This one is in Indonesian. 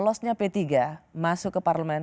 lolosnya p tiga masuk ke parlemen